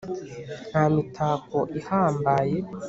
nta mitako ihambaye,